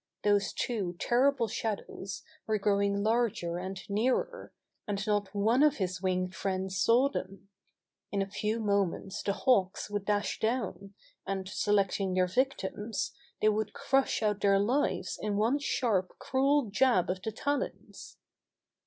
Those two terrible shadows were growing larger and nearer, and not one of his winged friends saw them. In a few moments the Hawks would dash down, and, selecting their victims, they would crush out their lives in one sharp, cruel jab of the talons.